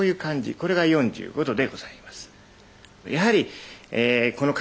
これが４５度でございます。